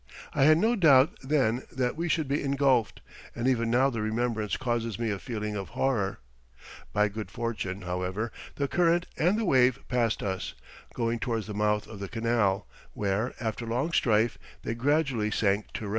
I had no doubt then that we should be engulfed, and even now the remembrance causes me a feeling of horror. By good fortune, however, the current and the wave passed us, going towards the mouth of the canal, where, after long strife, they gradually sank to rest."